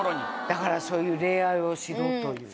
だからそういう恋愛をしろという。